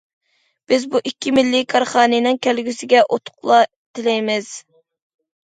بىز بۇ ئىككى مىللىي كارخانىنىڭ كەلگۈسىگە ئۇتۇقلار تىلەيمىز.